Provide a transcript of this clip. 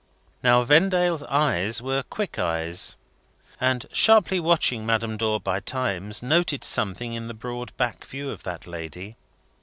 Now, Vendale's eyes were quick eyes, and sharply watching Madame Dor by times, noted something in the broad back view of that lady.